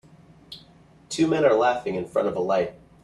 Two men are laughing in front of a light.